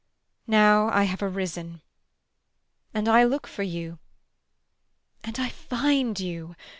Now I have arisen. And I look for you. And I find you.